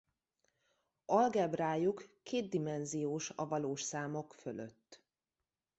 Algebrájuk kétdimenziós a valós számok fölött.